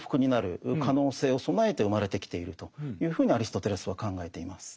そうですね。というふうにアリストテレスは考えています。